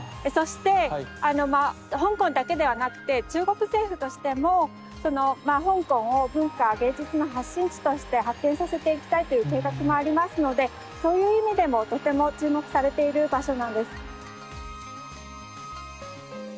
そして香港だけではなくて中国政府としても香港を文化芸術の発信地として発展させていきたいという計画もありますのでそういう意味でもとても注目されている場所なんです。